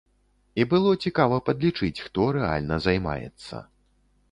І было цікава падлічыць, хто рэальна займаецца.